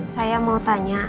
saya mau tanya